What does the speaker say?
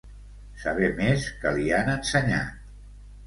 Saber més que li han ensenyat.